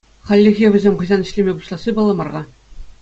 Хальлӗхе вӗсем хӑҫан ӗҫлеме пуҫласси паллӑ мар-ха.